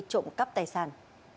trộm cắp tài sản